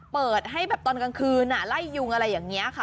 เปิดให้แบบตอนกลางคืนไล่ยุงอะไรอย่างนี้ค่ะ